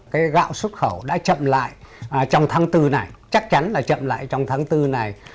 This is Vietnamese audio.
cái gạo xuất khẩu đã chậm lại trong tháng bốn này chắc chắn là chậm lại trong tháng bốn này